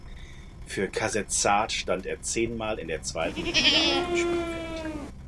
Für Kasetsart stand er zehnmal in der zweiten Liga auf dem Spielfeld.